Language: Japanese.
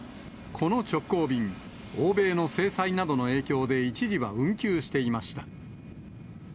この直行便、欧米の制裁などの影響で一時は運休していました。